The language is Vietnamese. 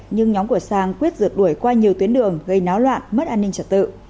nhưng nhóm của sang quyết rượt đuổi qua nhiều tuyến đường gây náo loạn mất an ninh trật tự